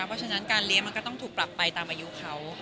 เพราะฉะนั้นการเลี้ยงมันก็ต้องถูกปรับไปตามอายุเขา